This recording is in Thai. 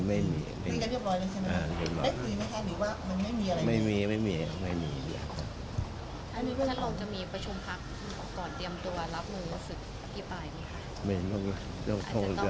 วันนี้ท่านลงจะมีประชุมพักก่อนเตรียมตัวรับหนูรู้สึกกี่ปลายนี้คะ